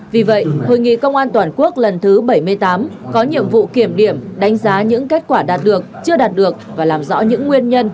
vì vậy hội nghị công an toàn quốc lần thứ bảy mươi tám có nhiệm vụ kiểm điểm đánh giá những kết quả đạt được chưa đạt được và làm rõ những nguyên nhân